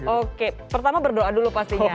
oke pertama berdoa dulu pastinya